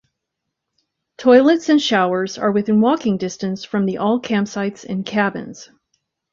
Toilets and showers are within walking distance from the all campsites and cabins.